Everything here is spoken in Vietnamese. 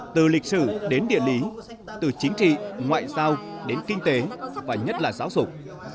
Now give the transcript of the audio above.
từ lịch sử đến địa lý từ chính trị ngoại giao đến kinh tế và nhất là giáo dục